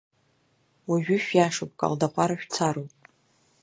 Уажәы шәышиашоу Калдахәара шәцароуп…